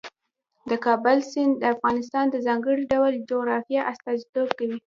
د کابل سیند د افغانستان د ځانګړي ډول جغرافیه استازیتوب کوي.